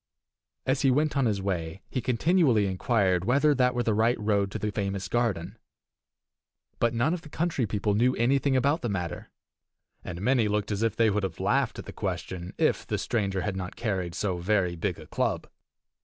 As he went on his way he continually inquired whether that were the right road to the famous garden. But none of the country people knew anything about the matter, and many looked as if they would have laughed at the question if the stranger had not carried so very big a club.